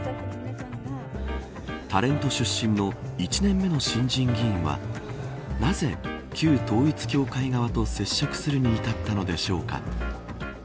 タレント出身の１年目の新人議員はなぜ旧統一教会側と接触するに至ったのでしょうか。